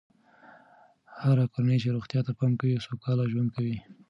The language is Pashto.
هره کورنۍ چې روغتیا ته پام کوي، سوکاله ژوند کوي.